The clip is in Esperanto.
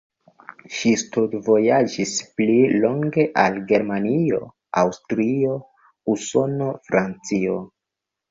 Ŝi studvojaĝis pli longe al Germanio, Aŭstrio, Usono, Francio.